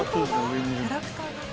キャラクターが。